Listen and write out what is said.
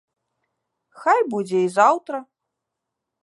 Хай будзе і заўтра.